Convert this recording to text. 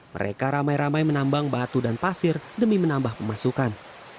mereka ramai ramai menambang batu dan pasir demi menambah pemasukan